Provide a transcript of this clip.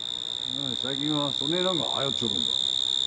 最近はそねぇなんが流行っちょるんか。